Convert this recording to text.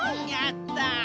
やった！